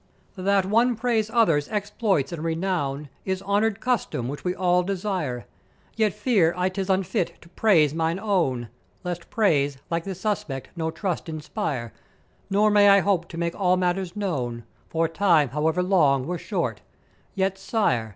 "That one praise others' exploits and renown is honour'd custom which we all desire; yet fear I 'tis unfit to praise mine own; lest praise, like this suspect, no trust inspire; nor may I hope to make all matters known for Time however long were short; yet, sire!